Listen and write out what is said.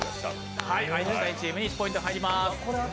アインシュタインチームに１ポイント入ります。